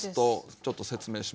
ちょっと説明しますね。